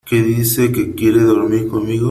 que dice que quiere dormir conmigo .